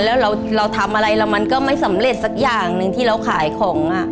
แล้วเราทำอะไรแล้วมันก็ไม่สำเร็จสักอย่างหนึ่งที่เราขายของ